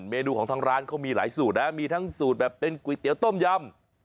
เมนูของทางร้านเขามีหลายสูตรนะมีทั้งสูตรแบบเป็นก๋วยเตี๋ยวต้มยำ